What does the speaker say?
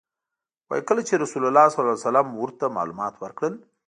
وایي کله چې رسول الله صلی الله علیه وسلم ورته معلومات ورکړل.